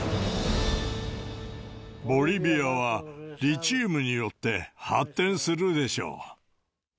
ボリビアは、リチウムによって発展するでしょう。